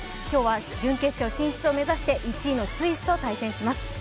今日は準決勝進出を目指して１位のスイスと対戦します。